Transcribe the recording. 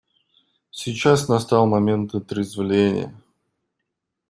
Сейчас настал момент отрезвления.